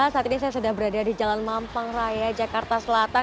saat ini saya sudah berada di jalan mampang raya jakarta selatan